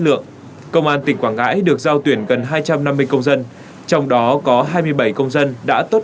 lượng công an tỉnh quảng ngãi được giao tuyển gần hai trăm năm mươi công dân trong đó có hai mươi bảy công dân đã tốt